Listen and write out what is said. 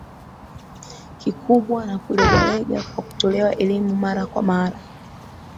kikubwa na kulegalega kwa kutolewa elimu mara kwa mara